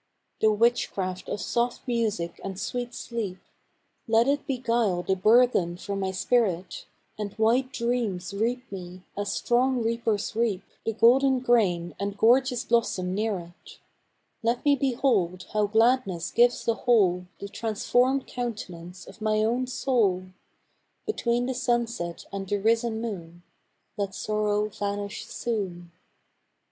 The witchcraft of soft music and sweet sleep Let it beguile the burthen from my spirit, And white dreams reap me, as strong reapers reap The golden grain and gorgeous blossom near it; Let me behold how gladness gives the whole The transformed countenance of my own soul; Between the sunset and the risen moon, Let sorrow vanish soon.